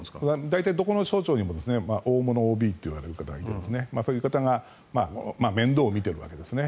大体、どこの省庁にも大物ＯＢという方がいてそういう方が面倒を見ているわけですね。